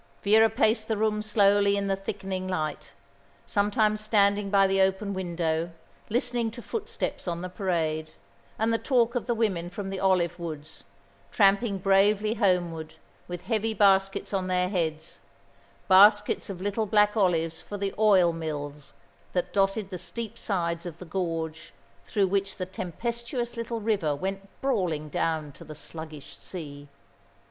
Vera paced the room slowly in the thickening light: sometimes standing by the open window, listening to footsteps on the parade, and the talk of the women from the olive woods, tramping bravely homeward with heavy baskets on their heads, baskets of little black olives for the oil mills that dotted the steep sides of the gorge through which the tempestuous little river went brawling down to the sluggish sea.